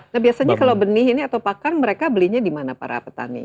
nah biasanya kalau benih ini atau pakan mereka belinya di mana para petani